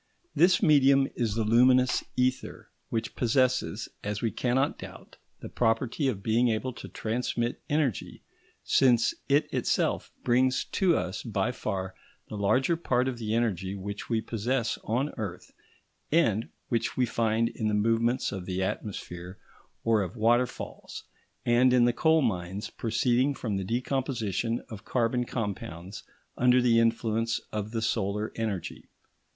This medium is the luminous ether which possesses, as we cannot doubt, the property of being able to transmit energy, since it itself brings to us by far the larger part of the energy which we possess on earth and which we find in the movements of the atmosphere, or of waterfalls, and in the coal mines proceeding from the decomposition of carbon compounds under the influence of the solar energy.